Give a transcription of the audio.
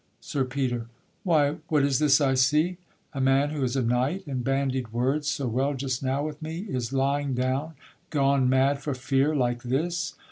SIR PETER. Why, what is this I see? A man who is a knight, and bandied words So well just now with me, is lying down, Gone mad for fear like this!